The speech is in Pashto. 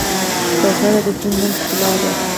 کوتره د سپین رنګ ښکلا ده.